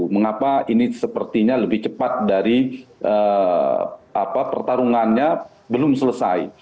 mengapa ini sepertinya lebih cepat dari pertarungannya belum selesai